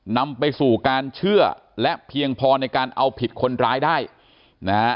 นำไปสู่การเชื่อและเพียงพอในการเอาผิดคนร้ายได้นะฮะ